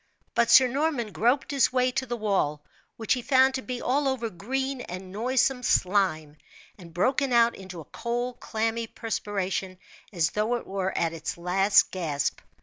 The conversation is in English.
But Sir Norman groped his way to the wall, which he found to be all over green and noisome slime, and broken out into a cold, clammy perspiration, as though it were at its last gasp.